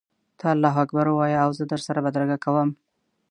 ته الله اکبر ووایه او زه در سره بدرګه کوم.